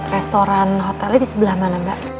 restoran hotelnya di sebelah mana mbak